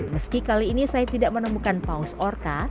meski kali ini saya tidak menemukan paus orka